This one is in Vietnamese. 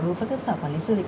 đối với các sở quản lý du lịch